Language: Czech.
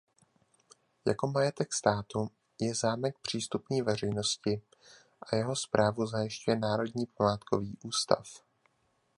Jako majetek státu je zámek přístupný veřejnosti a jeho správu zajišťuje Národní památkový ústav.